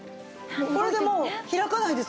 これでもう開かないですもんね。